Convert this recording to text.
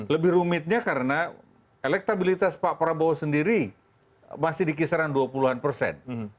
lebih rumitnya karena elektabilitas pak prabowo sendiri masih di kisaran dua puluh an persen